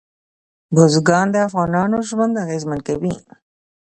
بزګان د افغانانو ژوند اغېزمن کوي.